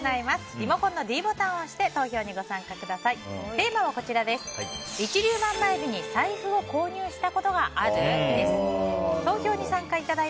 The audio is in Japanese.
リモコンのｄボタンを押して投票にご参加ください。